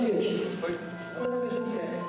はい。